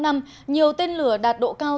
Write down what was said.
nhiều tên lửa đạt độ cao